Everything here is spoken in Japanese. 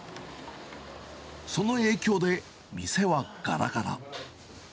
その影響で、店はがらがら。